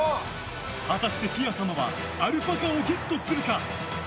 果たしてティア様はアルパカをゲットするか？